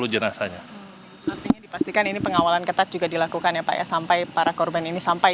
jenazahnya artinya dipastikan ini pengawalan ketat juga dilakukan ya pak ya sampai para korban ini sampai